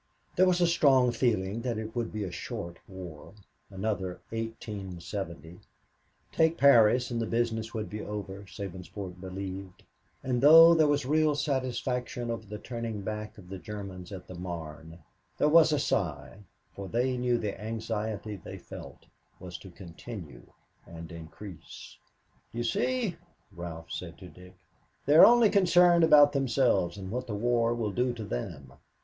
There was a strong feeling that it would be a short war another 1870 take Paris and the business would be over, Sabinsport believed; and, though there was real satisfaction over the turning back of the Germans at the Marne, there was a sigh, for they knew the anxiety they felt was to continue and increase. "You see," Ralph said to Dick, "they're only concerned about themselves and what the war will do to them."